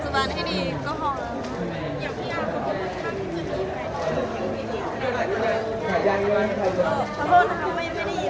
ขอโทษนะคุณไม่ได้ยินเลยค่ะ